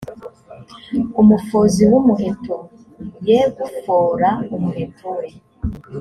umufozi w umuheto ye gufora umuheto we